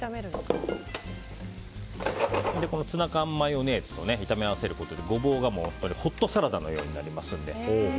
このツナ缶マヨネーズと炒め合わせることでゴボウがホットサラダのようになりますので。